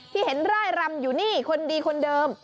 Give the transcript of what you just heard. ที่เห็นร่ายรำอยู่นี่คนดีคนเดิม